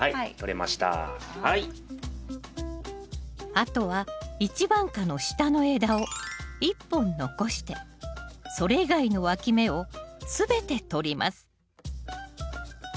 あとは一番果の下の枝を１本残してそれ以外のわき芽をすべてとります